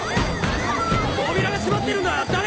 扉が閉まってるんだ！